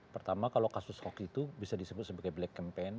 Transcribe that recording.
pertama kalau kasus hoki itu bisa disebut sebagai black campaign